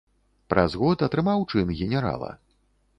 Праз год атрымаў чын генерала.